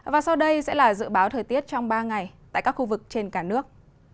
và sau đây sẽ là dự báo thời tiết trong ba ngày tại các khu vực trên cả nước